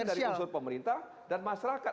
kita sebutkan dari unsur pemerintah dan masyarakat